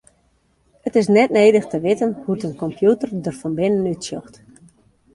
It is net nedich te witten hoe't in kompjûter der fan binnen útsjocht.